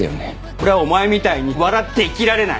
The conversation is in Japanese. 俺はお前みたいに笑って生きられない！